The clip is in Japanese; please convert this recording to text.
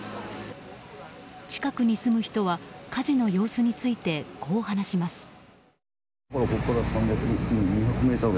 近くに住む人は火事の様子についてこう話します。